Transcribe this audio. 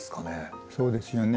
そうですよね。